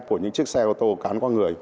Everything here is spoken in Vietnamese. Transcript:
của những chiếc xe ô tô cán qua người